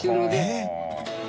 えっ！